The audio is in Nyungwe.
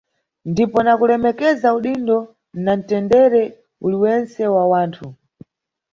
Ndipo na kulemekeza udindo na ntendere uliwentse wa wanthu.